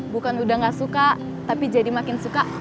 bukan udah gak suka tapi jadi makin suka